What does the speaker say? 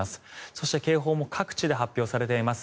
そして警報も各地で発表されています。